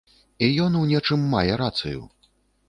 І ён у нечым мае рацыю.